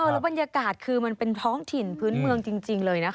แล้วบรรยากาศคือมันเป็นท้องถิ่นพื้นเมืองจริงเลยนะคะ